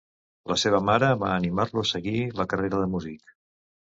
La seva mare va animar-lo a seguir la carrera de músic.